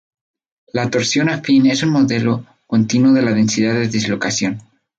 La torsión afín es un modelo continuo de la densidad de dislocación.